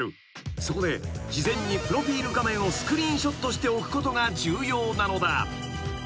［そこで事前にプロフィル画面をスクリーンショットしておくことが重要なのだ］